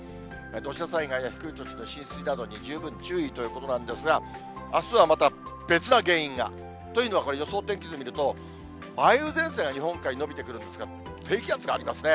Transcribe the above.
土砂災害や低い土地の浸水などに十分注意ということなんですが、あすはまた別な原因が。というのはこれ、予想天気図見ると、梅雨前線が日本海に延びてくるんですが、低気圧がありますね。